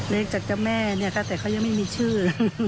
เล็กจากเจ้าแม่แต่เค้ายังไม่มีชื่อ